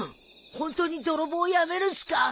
本当に泥棒やめるんっすか？